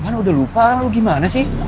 bukan udah lupa kan lo gimana sih